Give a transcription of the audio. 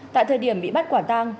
tại thời điểm bị bắt quả tàng